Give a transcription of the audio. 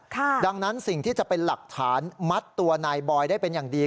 ดังนั้นสิ่งที่จะเป็นหลักฐานมัดตัวนายบอยได้เป็นอย่างดี